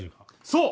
そう！